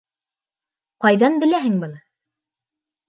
Ҡайҙан беләһең быны?